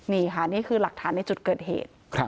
นี่ค่ะนี่คือหลักฐานในจุดเกิดเหตุ